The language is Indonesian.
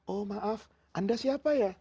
oh maaf anda siapa ya